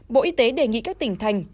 bộ y tế đề nghị các tỉnh thành